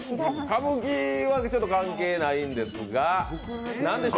歌舞伎はちょっと関係ないんですが。